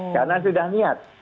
karena sudah niat